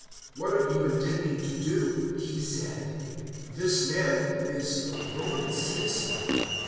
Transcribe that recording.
"What are you intending to do?" he said. "This man is a Roman citizen."